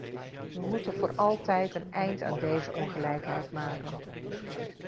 We moeten voor altijd een eind aan deze ongelijkheid maken.